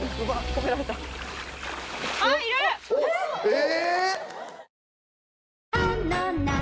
え！